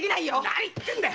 何言ってんだ！